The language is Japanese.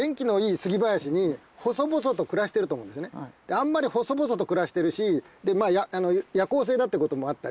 あんまり細々と暮らしてるし夜行性だってこともあったり